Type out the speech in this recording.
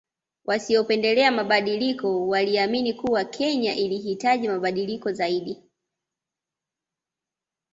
Wasiopendelea mabadiliko waliamini kuwa Kenya ilihitaji mabadiliko zaidi